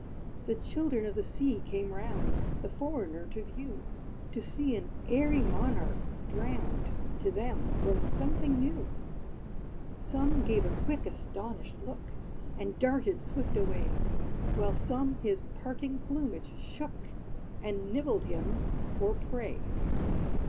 The children of the sea came round, The foreigner to view. To see an airy monarch drowned, To them was something new Some gave a quick, astonished look, And darted swift away; While some his parting plumage shook, And nibbled him for prey.